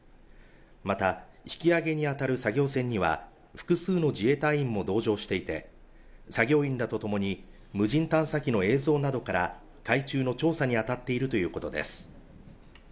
また引き揚げに当たる作業船には、複数の自衛隊員も同乗していて、作業員らとともに、無人探査機の映像などから、海中の調査に当たっているということです。